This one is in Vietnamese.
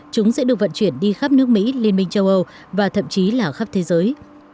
chúng sẽ được vận chuyển đi khắp nước mỹ liên minh châu âu và thậm chí là khắp thế giới